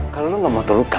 kalau lo gak mau terluka